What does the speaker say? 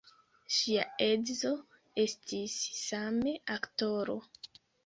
Ŝia edzo estis same aktoro.